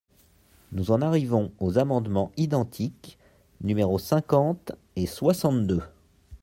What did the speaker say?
Nous en arrivons aux amendements identiques numéros cinquante et soixante-deux.